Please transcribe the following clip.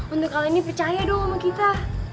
untuk kali ini percaya dong sama kita